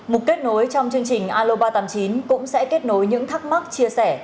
một kết nối trong chương trình alo ba trăm tám mươi chín cũng sẽ kết nối những thắc mắc chia sẻ